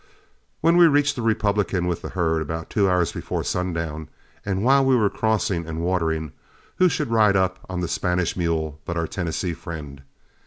When we reached the Republican with the herd about two hours before sundown, and while we were crossing and watering, who should ride up on the Spanish mule but our Tennessee friend.